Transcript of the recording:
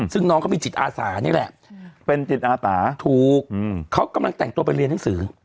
ซึ่งน้องเขามีจิตอาสานี่แหละเป็นจิตอาสาถูกเขากำลังแต่งตัวไปเรียนหนังสือ